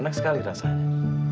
enak sekali rasanya